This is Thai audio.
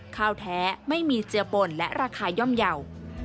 ข้าวแท้ไม่มีเจียบป่นและราคาย่อมเย่า